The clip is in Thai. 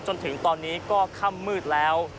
จนถึงตอนนี้ก็ค่ำมืดแล้ว